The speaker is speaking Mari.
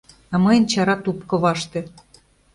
А мыйын чара туп коваште